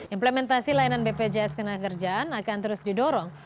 implementasi layanan bpjs kenakerjaan akan terus didorong